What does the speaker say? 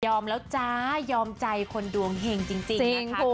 แล้วจ้ายอมใจคนดวงเห็งจริงนะคะ